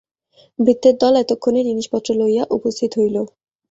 ভৃত্যের দল এতক্ষণে জিনিসপত্র লইয়া উপস্থিত হইল।